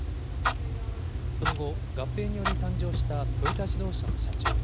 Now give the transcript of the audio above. その後、合併により誕生したトヨタ自動車の社長に。